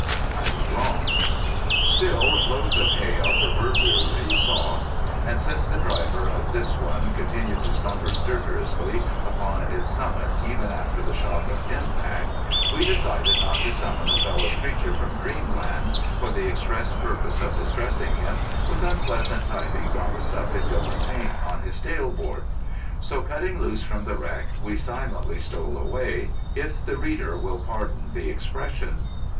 I was wrong. Still, loads of hay are proverbially soft; and since the driver of this one continued to slumber stertorously upon its summit even after the shock of impact, we decided not to summon a fellow creature from dreamland for the express purpose of distressing him with unpleasant tidings on the subject of the paint on his tail board. So, cutting loose from the wreck, we silently stole away, if the reader will pardon the expression.